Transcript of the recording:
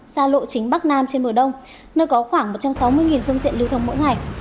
xa lộ chính bắc nam trên bờ đông nơi có khoảng một trăm sáu mươi phương tiện lưu thông mỗi ngày